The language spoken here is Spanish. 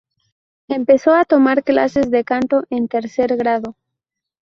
Empezó a tomar clases de canto en tercer grado.